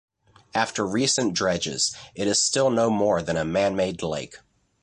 After recent dredges, it is still no more than a man-made lake.